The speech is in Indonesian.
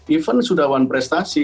even sudah wan prestasi